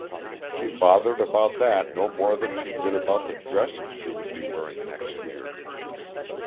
She bothered about that no more than she did about the dresses she would be wearing next year.